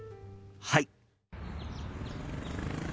はい！